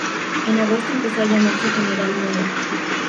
En agosto empezó a llamarse "General Mola".